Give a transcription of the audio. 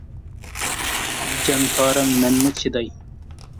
جان پارەم ، مەنمۇ چىداي !